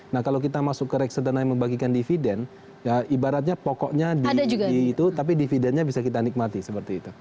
nah kalau kita masuk ke reksadana yang membagikan dividen ya ibaratnya pokoknya di itu tapi dividennya bisa kita nikmati seperti itu